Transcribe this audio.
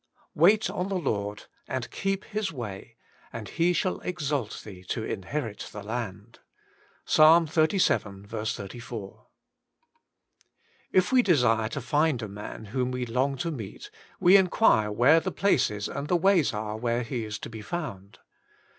* Wait on the Lord, and keep His way, And He shalt exalt thee to inherit the land.' — Ps. xxxriL 34. IF we desire to find a man whom we long to meet, we inquire where the places and the ways are where he is to be found.